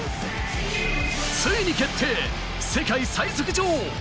ついに決定、世界最速女王。